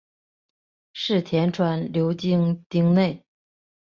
柿田川流经町内。